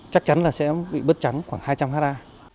chắc chắn là sẽ bị bớt trắng khoảng hai trăm linh ha